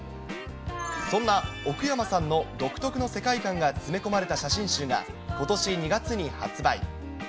そんな奥山さんの独特の世界観が詰め込まれた写真集が、ことし２月に発売。